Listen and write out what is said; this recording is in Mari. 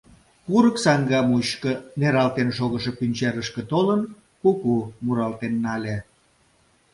Курык саҥга мучко нералтен шогышо пӱнчерышке толын, куку муралтен нале.